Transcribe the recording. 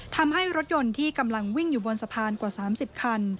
ทำให้รถยนต์ที่กำลังวิ่งอยู่บนสะพานกว่า๓๐คัน